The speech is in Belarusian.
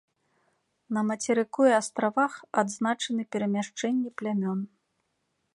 На мацерыку і астравах адзначаны перамяшчэнні плямён.